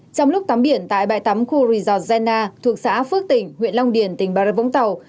trong lúc tắm biển tại bài tắm khu resort zena thuộc xã phước tỉnh huyện long điển tỉnh bà rất vũng tàu